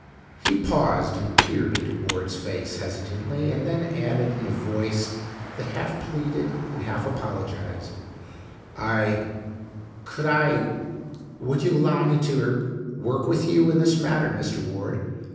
He paused and peered into Ward's face hesitantly and then added in a voice that half pleaded and half apologized "I could I would you allow me to er work with you in this matter, Mr. Ward?